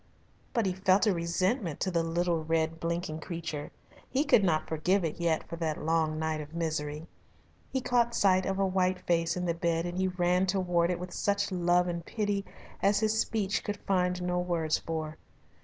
But he felt a resentment to the little, red, blinking creature. He could not forgive it yet for that long night of misery. He caught sight of a white face in the bed and he ran towards it with such love and pity as his speech could find no words for.